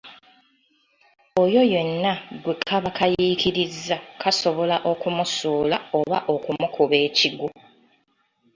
Oyo yenna gwe kaba kayiikirizza kasobola okumusuula oba okumukuba ekigwo.